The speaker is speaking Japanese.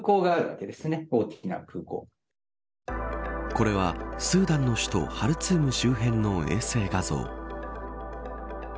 これはスーダンの首都ハルツーム周辺の衛星画像。